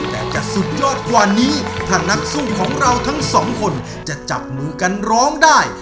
แต่จะสุดยอดกว่านี้ถ้านักสู้ของเราทั้งสองคนจะจับมือกันร้องได้